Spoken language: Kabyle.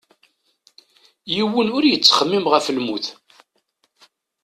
Yiwen ur yettxemmim ɣef lmut.